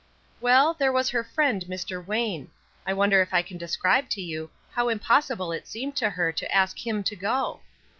Well, there was her friend, Mr. Wayne. I wonder if I can describe to you how impossible it seemed to her to ask him to go?